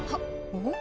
おっ！